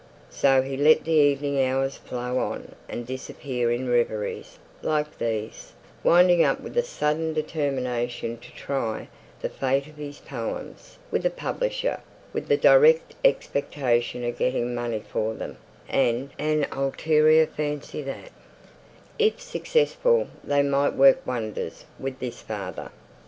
So he let the evening hours flow on and disappear in reveries like these; winding up with a sudden determination to try the fate of his poems with a publisher, with the direct expectation of getting money for them, and an ulterior fancy that, if successful, they might work wonders with his father.